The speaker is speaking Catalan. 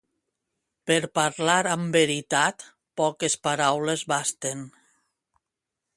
Per parlar amb veritat, poques paraules basten.